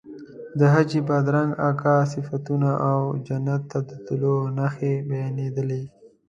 د حاجي بادرنګ اکا صفتونه او جنت ته د تلو نښې بیانېدلې.